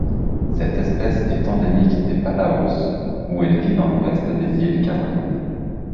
Cette espèce est endémique des Palaos, où elle vit dans l'ouest des îles Carolines.